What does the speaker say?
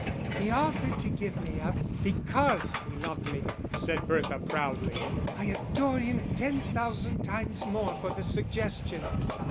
"He offered to give me up because he loved me," said Bertha, proudly. "I adore him ten thousand times more for the suggestion."